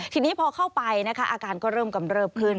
ทีนี้พอเข้าไปนะคะอาการก็เริ่มกำเริบขึ้น